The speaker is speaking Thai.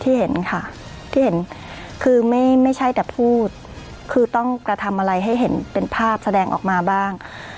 เห็นค่ะที่เห็นคือไม่ใช่แต่พูดคือต้องกระทำอะไรให้เห็นเป็นภาพแสดงออกมาบ้าง